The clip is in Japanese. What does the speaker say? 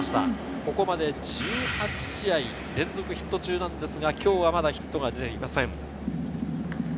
ここまで１８試合連続ヒット中ですが、今日はヒットが出ていません。